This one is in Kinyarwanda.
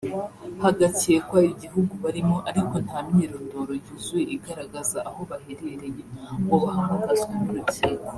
hagakekwa igihugu barimo ariko nta myirondoro yuzuye igaragaza aho baherereye ngo bahamagazwe n’urukiko